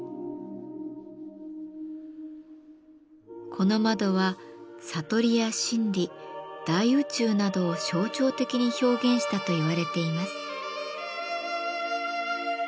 この窓は悟りや真理大宇宙などを象徴的に表現したと言われています。